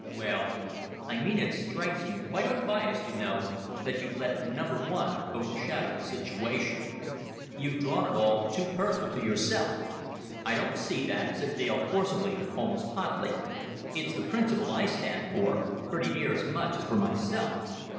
"Well, I mean it strikes me quite unbiased, you know that you've let Number One overshadow the situation. You've drawn it all too personal to yourself." "I don't see that," said Dale, forcibly, almost hotly. "It's the principle I stand for pretty near as much as for myself."